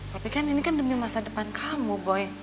tapi kan ini kan demi masa depan kamu boy